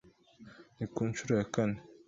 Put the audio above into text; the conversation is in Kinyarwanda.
Ni ku nshuro ya kane